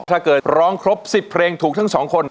ถ้าเกิดร้องครบ๑๐เพลงถูกทั้งสองคน